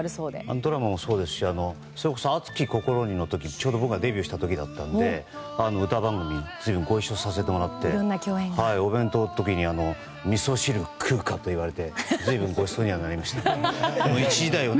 ドラマもそうですし「熱き心に」の時がちょうど僕がデビューした時だったので歌番組で随分ご一緒させていただいてお弁当の時にみそ汁食うかといわれて随分ごちそうにはなりましたすね。